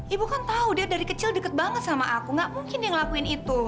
ibu kan tahu dia dari kecil deket banget sama aku gak mungkin yang ngelakuin itu